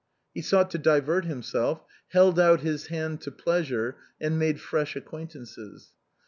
He sought to divert himself, held out his hand to plea sure, and made fresh acquaintances.